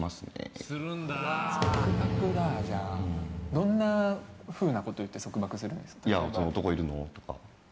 どんなふうなこと言って束縛するんですか。